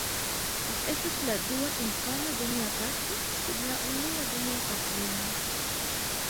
Mi estas la dua infano de mia patro, sed la unua de mia patrino.